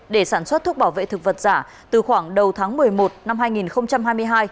để sản xuất thuốc bảo vệ thực vật giả từ khoảng đầu tháng một mươi một năm hai nghìn hai mươi hai